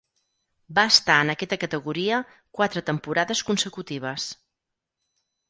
Va estar en aquesta categoria quatre temporades consecutives.